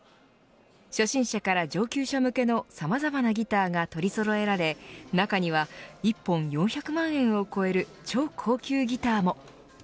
初心者から上級者向けのさまざまなギターが取りそろえられ、中には１本４００万円を超える超高級ギターも。